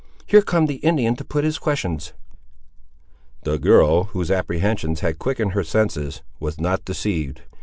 Here comes the Indian to put his questions." The girl, whose apprehensions had quickened her senses, was not deceived.